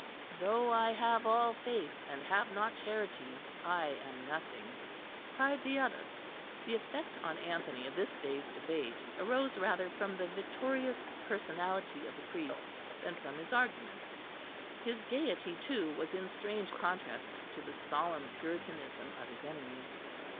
"Though I have all faith and have not charity, I am nothing," cried the other. The effect on Anthony of this day's debate arose rather from the victorious personality of the priest than from his arguments. His gaiety, too, was in strange contrast to the solemn Puritanism of his enemies.